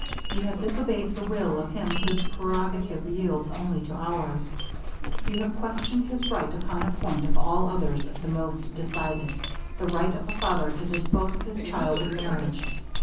You have disobeyed the will of him whose prerogative yields only to ours. You have questioned his right upon a point of all others the most decided the right of a father to dispose of his child in marriage.